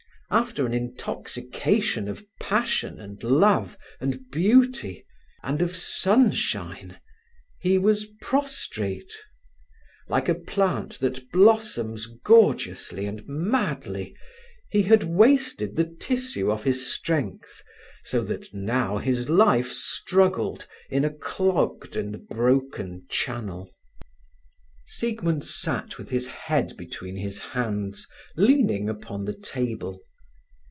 After an intoxication of passion and love, and beauty, and of sunshine, he was prostrate. Like a plant that blossoms gorgeously and madly, he had wasted the tissue of his strength, so that now his life struggled in a clogged and broken channel. Siegmund sat with his head between his hands, leaning upon the table.